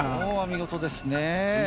見事ですね。